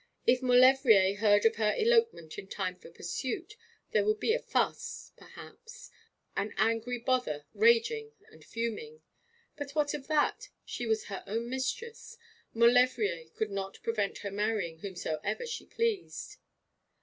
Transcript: If Maulevrier heard of her elopement in time for pursuit, there would be a fuss, perhaps an angry bother raging and fuming. But what of that? She was her own mistress. Maulevrier could not prevent her marrying whomsoever she pleased.